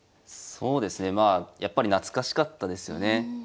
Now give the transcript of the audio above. そうですねまあやっぱり懐かしかったですよね。